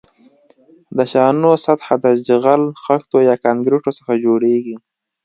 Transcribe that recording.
د شانو سطح د جغل، خښتو یا کانکریټو څخه جوړیږي